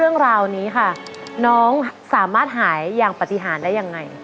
น้องสามารถหายอย่างปฏิหารได้อย่างไร